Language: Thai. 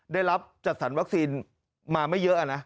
ได้รับจัดสรรวัคซีนมาไม่เยอะนะ